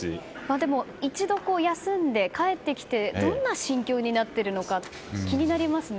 でも、一度休んで帰ってきてどんな心境になっているのか気になりますね。